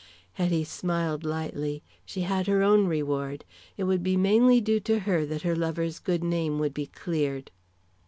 Hetty smiled lightly. She had her own reward. It would be mainly due to her that her lover's good name would be cleared.